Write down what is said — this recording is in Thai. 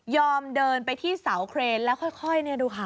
เดินไปที่เสาเครนแล้วค่อยเนี่ยดูค่ะ